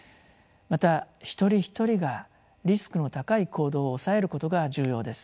また一人一人がリスクの高い行動を抑えることが重要です。